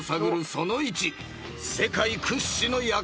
その１］